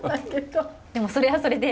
でもそれはそれで。